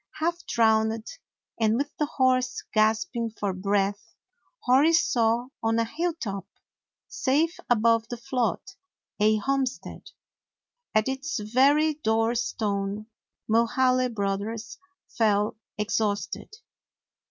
Half drowned, and with the horse gasping for breath, Hori saw on a hilltop, safe above the flood, a homestead. At its very door stone Mulhaly Brothers fell exhausted.